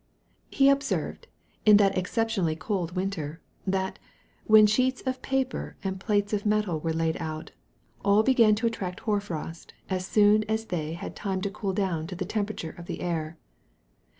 He observed, in that exceptionally cold winter, that, when sheets of paper and plates of metal were laid out, all began to attract hoar frost as soon as they had time to cool down to the temperature of the air.